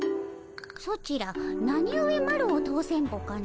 ソチらなにゆえマロを通せんぼかの？